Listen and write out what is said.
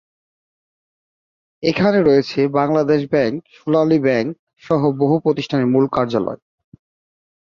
এখানে রয়েছে Bangladesh bank, Sonali bank সহ বহু প্রতিষ্ঠানের মূল কার্যালয়।